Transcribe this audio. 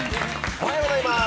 おはようございます。